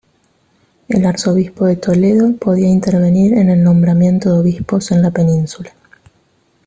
El arzobispo de Toledo podía intervenir en el nombramiento de obispos en la península.